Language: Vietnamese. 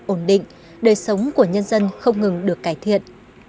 ổn định đời sống của nhân dân không ngừng được cải thiện